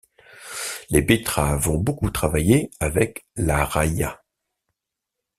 Les Betteraves ont beaucoup travaillé avec La Raïa.